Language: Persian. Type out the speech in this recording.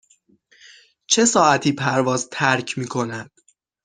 چه ساعتی پرواز ترک می کند؟